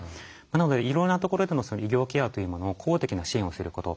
なのでいろんなところでの医療ケアというものを公的な支援をすること。